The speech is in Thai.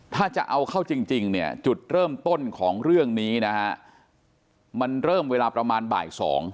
ถ้าจะเอาเข้าจริงเนี่ยจุดเริ่มต้นของเรื่องนี้นะฮะมันเริ่มเวลาประมาณบ่าย๒